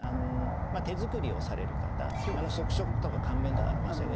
手作りをされる方即食とか簡便とかありましたけど